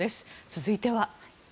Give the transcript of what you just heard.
続いては。